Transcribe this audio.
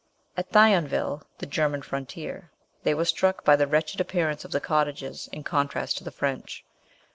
At Thionville, the German frontier, they were struck by the wretched appearance of the cottages in contrast to the French.